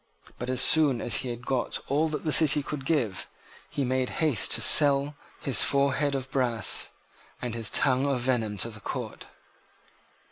But, as soon as he had got all that the city could give, he made haste to sell his forehead of brass and his tongue of venom to the Court.